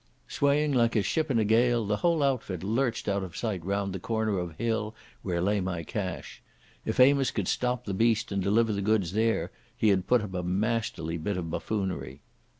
Swaying like a ship in a gale, the whole outfit lurched out of sight round the corner of hill where lay my cache. If Amos could stop the beast and deliver the goods there, he had put up a masterly bit of buffoonery.